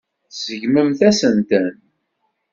Tseggmem-asent-ten.